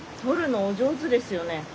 撮るのお上手ですよね。